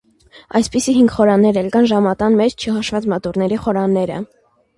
Այսպիսի հինգ խորաններ էլ կան ժամատան մեջ, չհաշված մատուռների խորանները։